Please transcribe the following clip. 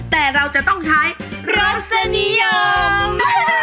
แต่เราจะต้องใช้รสนิยม